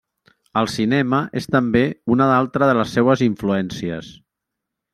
El cinema és també una altra de les seues influències.